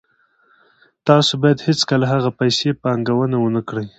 تاسو باید هیڅکله هغه پیسې پانګونه ونه کړئ